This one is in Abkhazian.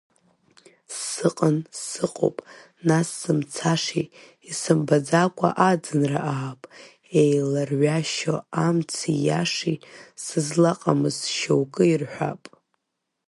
Сыҟан, сыҟоуп, нас сымцашеи, исымбаӡакәа аӡынра аап, еиларҩашьо амци иашеи сызлаҟамыз шьоукы ирҳәап.